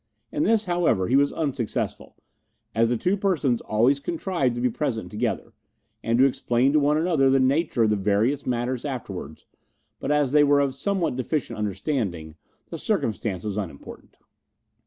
In this, however, he was unsuccessful, as the two persons always contrived to be present together, and to explain to one another the nature of the various matters afterwards; but as they were of somewhat deficient understanding, the circumstance was unimportant.